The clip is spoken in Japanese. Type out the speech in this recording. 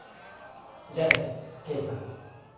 じゃあね刑事さん。